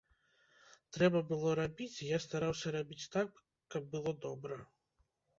Трэба было рабіць, і я стараўся рабіць так, каб было добра.